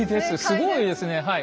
すごいですね。